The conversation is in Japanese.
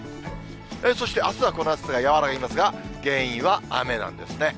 そしてあすはこの暑さ、和らぎますが、原因は雨ですね。